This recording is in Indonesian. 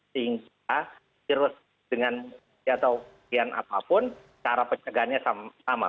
sehingga virus dengan atau dengan apapun cara penyegangnya sama